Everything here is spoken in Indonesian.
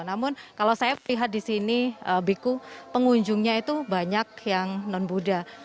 namun kalau saya lihat di sini biku pengunjungnya itu banyak yang non buddha